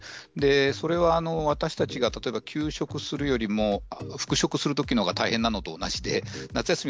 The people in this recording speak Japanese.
それは私たちが例えば休職するよりも復職するときのほうが大変などというのと同じ話です。